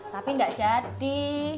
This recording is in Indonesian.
tapi enggak jadi